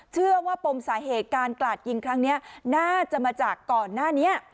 ปมสาเหตุการกลาดยิงครั้งนี้น่าจะมาจากก่อนหน้านี้